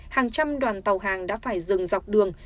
hàng trăm đoàn tàu hàng đã phải dừng dọc đường